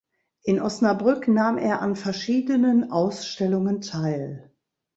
In Osnabrück nahm er an verschiedenen Ausstellungen teil.